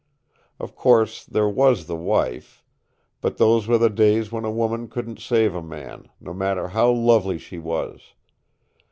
Of course, there was the wife. But those were the days when a woman couldn't save a man, no matter how lovely she was.